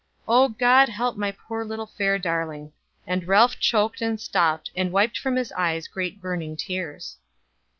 Oh God help my poor little fair darling." And Ralph choked and stopped, and wiped from his eyes great burning tears.